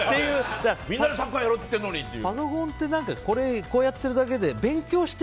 みんなでサッカーやろうって言ってるのにっていう。